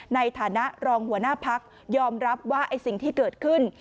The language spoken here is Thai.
ในฐานะรองหัวหน้าพักยอมรับว่าไอ้สิ่งที่เกิดขึ้น